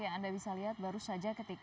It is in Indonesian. menggunakan seragam berwarna merah